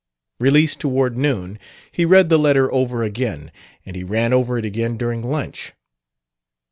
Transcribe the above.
Released toward noon, he read the letter over again; and he ran over it again during lunch.